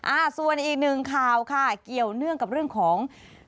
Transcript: อ่าส่วนอีกหนึ่งข่าวค่ะเกี่ยวเนื่องกับเรื่องของ